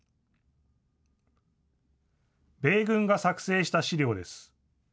米軍が作成した資料です。